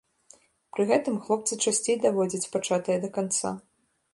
Пры гэтым хлопцы часцей даводзяць пачатае да канца.